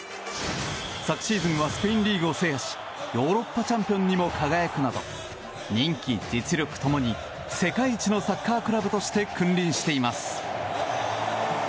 昨シーズンはスペインリーグを制覇しヨーロッパチャンピオンにも輝くなど人気、実力ともに世界一のサッカークラブとして君臨しています。